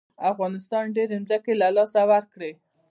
افغانستان ډېرې ځمکې له لاسه ورکړې.